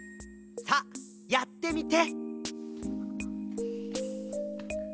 さあやってみて！